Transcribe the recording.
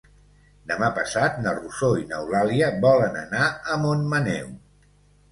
Demà passat na Rosó i n'Eulàlia volen anar a Montmaneu.